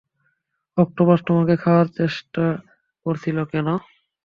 অক্টোপাসটা তোমাকে খাওয়ার চেষ্টা করছিল কেন?